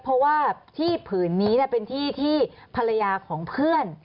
เพราะว่าที่ผืนนี้เป็นที่ที่ภรรยาของเพื่อน